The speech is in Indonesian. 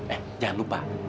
eh jangan lupa